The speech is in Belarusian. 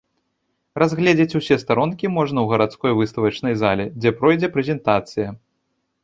Разгледзець усе старонкі можна ў гарадской выставачнай зале, дзе пройдзе прэзентацыя.